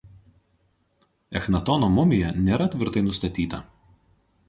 Echnatono mumija nėra tvirtai nustatyta.